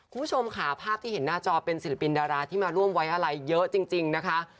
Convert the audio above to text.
คุณผู้ชมค่ะภาพที่เห็นหน้าจอเป็นศิลปินดาราที่มาร่วมไว้อะไรเยอะจริงนะคะ